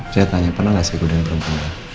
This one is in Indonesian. saya tanya pernah nggak saya ikutin perempuan ya